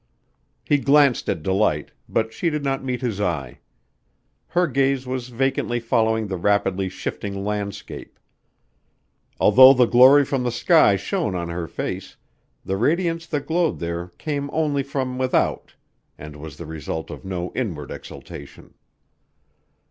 He glanced at Delight, but she did not meet his eye. Her gaze was vacantly following the rapidly shifting landscape. Although the glory from the sky shone on her face the radiance that glowed there came only from without and was the result of no inward exultation.